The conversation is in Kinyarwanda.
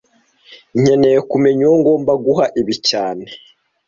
Nkeneye kumenya uwo ngomba guha ibi cyane